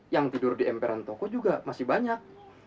yang tidur di emperan toko juga masih banyak